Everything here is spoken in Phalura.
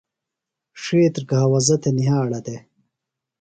ڇِھیتر گھاوزہ تھےۡ نِھیاڑہ دےۡ۔